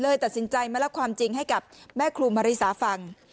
เลยตัดสินใจมาแล้วความจริงให้กับแม่ครูมาริสาธารณ์ฟัง